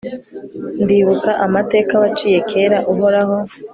ndibuka amateka waciye kera, uhoraho